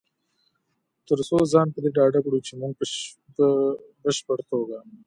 تر څو ځان په دې ډاډه کړو چې مونږ په بشپړ توګه